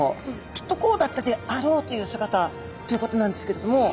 きっとこうだったであろうという姿ということなんですけれども。